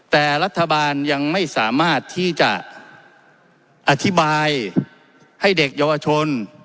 แต่รัฐบาลยังไม่สามารถที่จะอธิบายให้เด็กเยาวชน